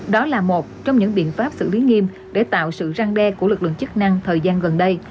đó là một trong những biện pháp xử lý nghiêm để tạo sự răng đe của lực lượng chức năng thời gian gần đây